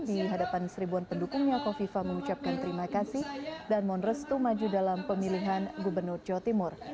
di hadapan seribuan pendukungnya kofifa mengucapkan terima kasih dan mohon restu maju dalam pemilihan gubernur jawa timur